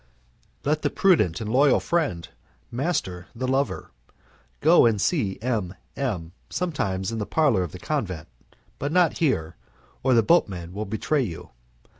"Let the prudent and loyal friend master the lover: go and see M M sometimes in the parlour of the convent, but not here, or the boatmen will betray you.